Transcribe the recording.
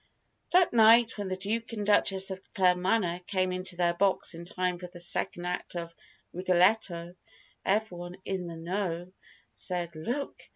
That night, when the Duke and Duchess of Claremanagh came into their box in time for the second act of "Rigoletto," everyone "in the know" said "Look!